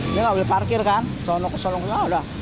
dia nggak boleh parkir kan sonok sonoknya ah udah